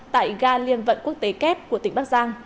tại ga liên vận quốc tế kép của tỉnh bắc giang